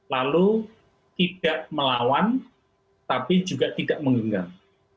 lalu tidak melawan tapi juga tidak menghinggar